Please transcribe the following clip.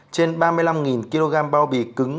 trên ba mươi năm kg bao bì cứng